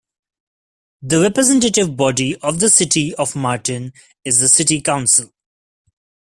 The representative body of the city of Martin is the city council.